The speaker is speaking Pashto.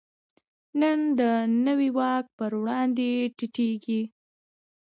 نن د نوي واک په وړاندې ټیټېږي.